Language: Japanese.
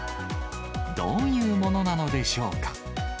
どういうものなのでしょうか。